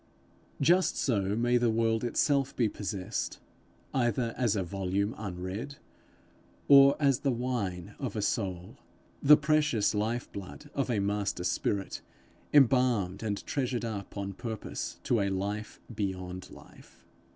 Just so may the world itself be possessed either as a volume unread, or as the wine of a soul, 'the precious life blood of a master spirit, embalmed and treasured up on purpose to a life beyond life.'